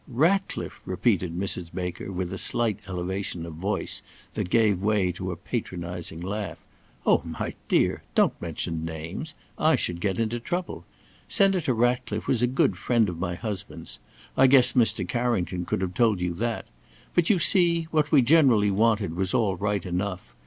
"Ratcliffe!" repeated Mrs. Baker with a slight elevation of voice that gave way to a patronising laugh. "Oh, my dear! don't mention names. I should get into trouble. Senator Ratcliffe was a good friend of my husband's. I guess Mr. Carrington could have told you that. But you see, what we generally wanted was all right enough.